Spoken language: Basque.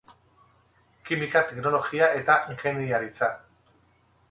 Kimika, Teknologia eta Ingeniaritza.